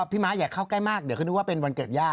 พี่ม้าอยากเข้าใกล้มากเดี๋ยวเขานึกว่าเป็นวันเกิดย่า